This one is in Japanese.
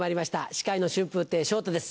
司会の春風亭昇太です